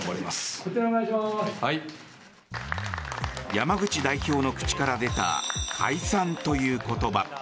山口代表の口から出た解散という言葉。